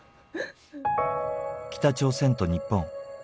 北朝鮮と日本